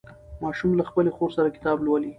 ماشوم له خپلې خور سره کتاب لولي